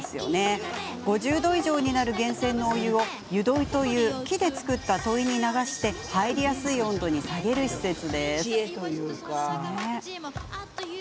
５０度以上になる源泉のお湯を湯どいという木で作ったといに流して入りやすい温度に下げる施設です。